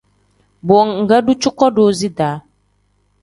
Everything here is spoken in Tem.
Bo ngdu cuko doozi da.